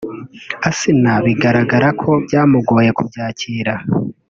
Asnah bigaragara ko byamugoye kubyakira